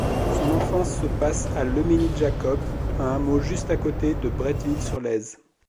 Son enfance se passe à Le Mesnil-Jacob un hameau juste à côté de Bretteville-sur-Laize.